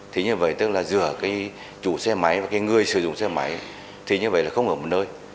thế như vậy tức là giữa cái chủ xe máy và cái người sử dụng xe máy thì như vậy là không ở một nơi